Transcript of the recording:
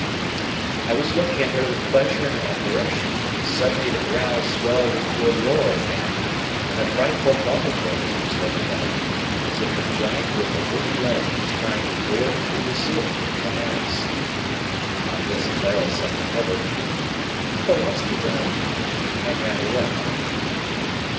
I was looking at her with pleasure and admiration, when suddenly the growl swelled into a roar again, and a frightful bumping noise was heard above, as if a giant with a wooden leg were trying to bore it through the ceiling to come at us. Upon this Clara said to Herbert, "Papa wants me, darling!" and ran away.